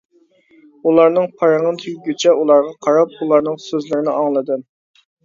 ئۇلارنىڭ پارىڭى تۈگىگىچە ئۇلارغا قاراپ، ئۇلارنىڭ سۆزلىرىنى ئاڭلىدىم.